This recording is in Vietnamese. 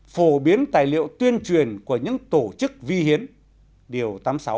phổ biến tài liệu tuyên truyền của những tổ chức vi hiến điều tám mươi sáu